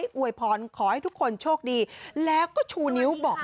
ส่วนวันนี้นะคะขอให้ทุกคน